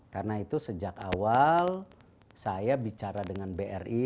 karena itu sejak awal saya bicara dengan bri